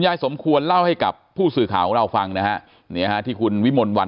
ยายสมควรเล่าให้กับผู้สื่อข่าวเราฟังนะที่คุณวิมนต์วัน